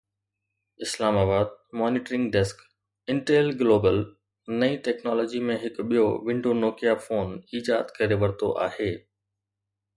اسلام آباد (monitoring desk) Intel global نئين ٽيڪنالاجي ۾ هڪ ٻيو ونڊو نوڪيا فون ايجاد ڪري ورتو آهي